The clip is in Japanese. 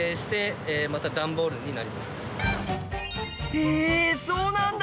へえそうなんだ。